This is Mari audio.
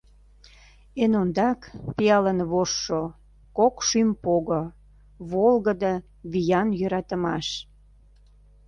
Эн ондак, пиалын вожшо — кок шӱм пого: Волгыдо, виян йӧратымаш!